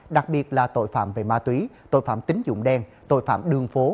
đặc biệt là tội phạm về ma túy tội phạm tính dụng đen tội phạm đường phố